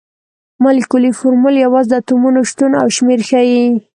مالیکولي فورمول یوازې د اتومونو شتون او شمیر ښيي.